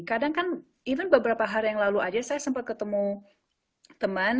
kadang kan even beberapa hari yang lalu aja saya sempat ketemu teman